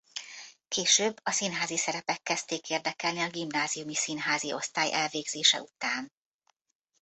Később a színházi szerepek kezdték érdekelni a gimnáziumi színházi osztály elvégzése után.